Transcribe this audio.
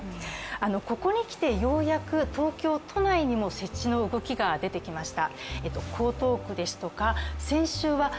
ここにきてようやく東京都内にも設置の動きが出てきました。